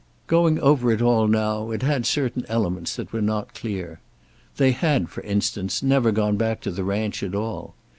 Going over it all now, it had certain elements that were not clear. They had, for instance, never gone back to the ranch at all.